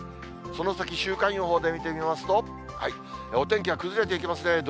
その先、週間予報で見てみますと、お天気は崩れていきますね。